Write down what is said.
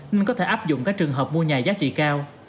nên có thể áp dụng các trường hợp mua nhà giá trị cao